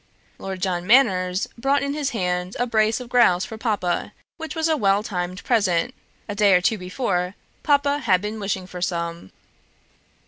Lord John Manners brought in his hand a brace of grouse for Papa, which was a well timed present: a day or two before Papa had been wishing for some."